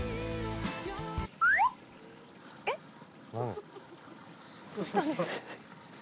えっ？